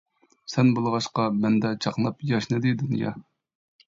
سەن بولغاچقا، مەندە چاقناپ ياشنىدى دۇنيا.